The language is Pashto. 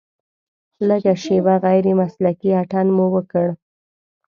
لږه شېبه غیر مسلکي اتڼ مو وکړ.